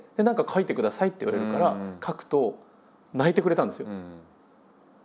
「何か書いてください」って言われるから書くと泣いてくれたんですよ。